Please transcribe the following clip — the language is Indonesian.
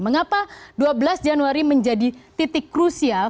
mengapa dua belas januari menjadi titik krusial